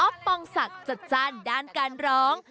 ปองศักดิ์จัดจ้านด้านการร้อง